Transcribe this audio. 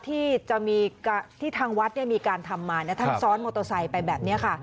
ที่จะมีที่ทางวัดมีการทำมาท่านซ้อนมอเตอร์ไซค์ไปแบบนี้ค่ะ